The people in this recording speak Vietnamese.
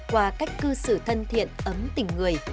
qua cách cư xử thân thiện ấm tình người